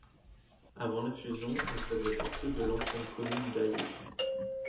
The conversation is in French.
Avant la fusion, elle faisait partie de l'ancienne commune d'Ayer.